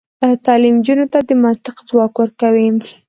تعلیم نجونو ته د منطق ځواک ورکوي.